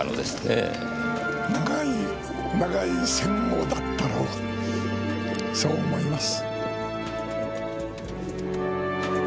長い長い戦後だったろうそう思います。